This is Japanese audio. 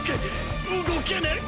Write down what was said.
動けねえ！